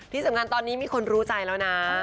ที่สำคัญตอนนี้มีคนรู้ใจแล้วนะ